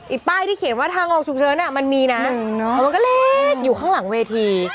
อีป้ายที่เขียนว่าทางออกสุเชิญอ่ะมันมีนะมันก็เล็กอยู่ข้างหลังเวที